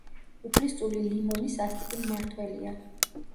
უფლისწული ლიმონი სასტიკი მმართველია.